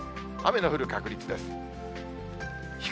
雨の降る確率です。